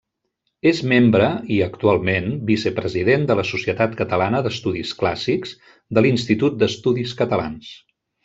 És membre i, actualment, vicepresident de la Societat Catalana d'Estudis Clàssics, de l'Institut d'Estudis Catalans.